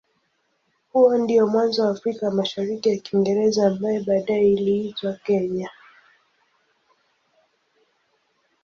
Huo ndio mwanzo wa Afrika ya Mashariki ya Kiingereza ambaye baadaye iliitwa Kenya.